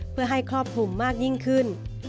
เพื่อให้ครอบคลุมมากยิ่งขึ้น